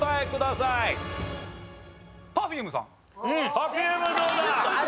Ｐｅｒｆｕｍｅどうだ？